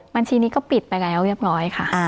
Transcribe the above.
บัญชีนี้ก็ปิดไปแล้วเรียบร้อยค่ะ